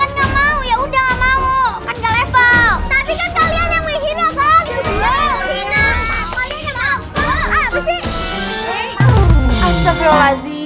enggak mau ya udah enggak mau enggak level tapi kalian yang menghina kau